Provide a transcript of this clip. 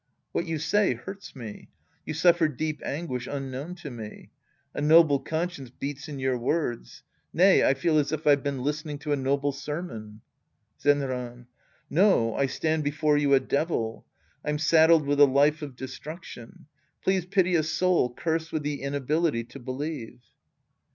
What you say hurts me. You suffer deep anguish unknown to me. A noble conscience beats in your words. Nay, I feel as if I've been listening to a noble sermon. Zenran. No, I stand before you a devil. I'm saddled with a life of destruction. Please pity a soul cursed with the inability to believe.